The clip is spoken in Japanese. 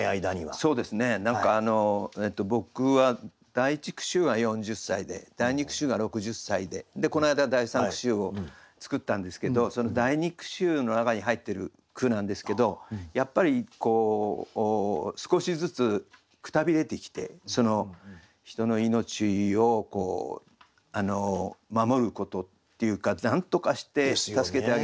そうですね何か僕は第一句集は４０歳で第二句集が６０歳ででこの間第三句集を作ったんですけどその第二句集の中に入ってる句なんですけどやっぱりこう少しずつくたびれてきて人の命をこう守ることっていうかなんとかして助けてあげないといけないとか。